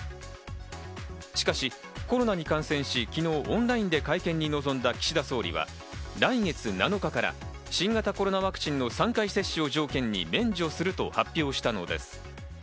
しかしコロナに感染し、昨日オンラインで会見に臨んだ岸田総理は来月７日から新型コロナワクチンの３回接種を条件に免除すると発表したのです。